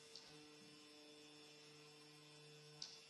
迪拉德是一个位于美国阿拉巴马州戴尔县的非建制地区。